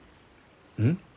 うん？